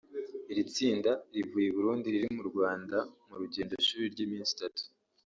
Iri tsinda rivuye i Burundi riri mu Rwanda mu rugendo shuri ry’iminsi itatu